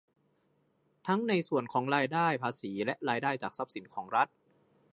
ทั้งในส่วนของรายได้ภาษีและรายได้จากทรัพย์สินของรัฐ